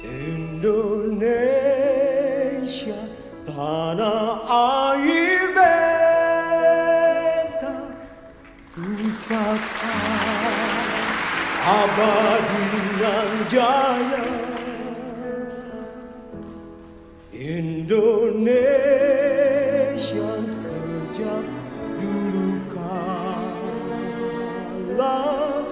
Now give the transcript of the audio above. indonesia sejak dulu kalah